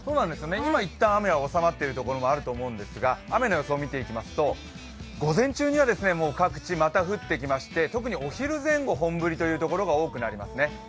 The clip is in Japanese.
今、いったん雨はおさまっているところもあるかもしれないんですけど雨の予想を見ていきますと、午前中には各地また降ってきまして特にお昼前後、本降りというところが多くなりますね。